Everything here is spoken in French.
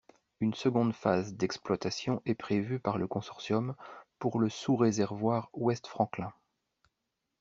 Une seconde phase d'exploitation est prévue par le consortium pour le sous-réservoir “West Franklin”.